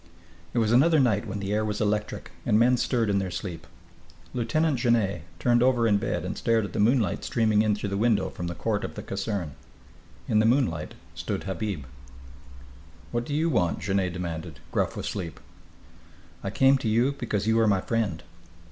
It was another night when the air was electric and men stirred in their sleep. Lieutenant Genet turned over in bed and stared at the moonlight streaming in through the window from the court of the caserne. In the moonlight stood Habib. "What do you want?" Genet demanded, gruff with sleep. "I came to you because you are my friend."